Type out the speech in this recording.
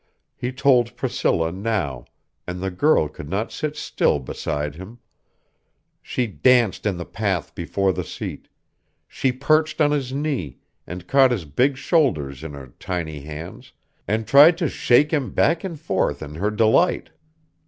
He told Priscilla now; and the girl could not sit still beside him. She danced in the path before the seat; she perched on his knee, and caught his big shoulders in her tiny hands and tried to shake him back and forth in her delight.